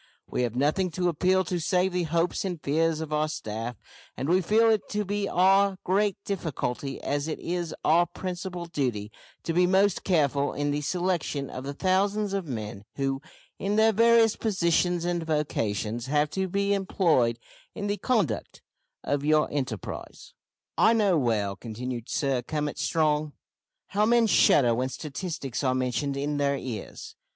We have nothing to appeal to save the hopes and fears of our staff; and we feel it to be our great difficulty, as it is our principal duty, to be most careful in the selection of the thousands of men who, in their various positions and vocations, have to be employed in the conduct of your enterprise. "I know well," continued Sir Cummit Strong, "how men shudder when statistics are mentioned in their ears!